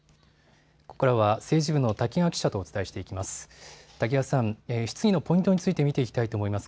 ここからは、政治部の瀧川記者とお伝えしていきます。